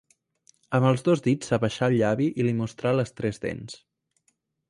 Amb els dos dits s’abaixà el llavi i li mostrà les tres dents.